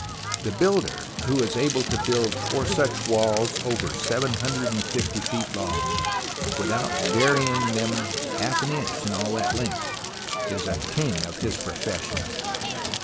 The builder who is able to build four such walls over 750 feet long, without varying them half an inch in all that length, is a king of his profession.